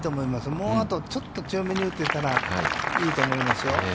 もうちょっと強めに打ててたらいいと思いますよ。